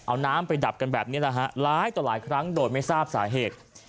เอาน้ำไปดับกันแบบนี้แหละฮะหลายต่อหลายครั้งโดยไม่ทราบสาเหตุ